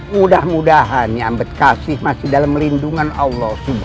mudah mudahannya niamberkasi masih dalam lindungan allah swt